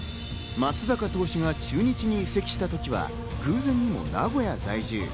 松坂投手が中日に移籍した時は偶然にも名古屋在住。